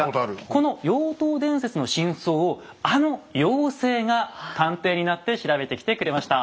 この妖刀伝説の真相をあの妖精が探偵になって調べてきてくれました。